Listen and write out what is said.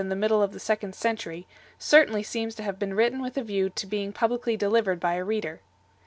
the middle of the second century, certainly seems to have been written with a view to being publicly delivered by a reader.